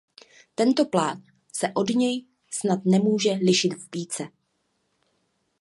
Tento plán se od něj snad nemůže lišit více.